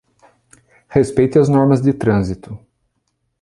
Respeite as normas de trânsito.